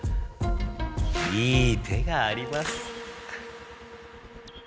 いい手があります。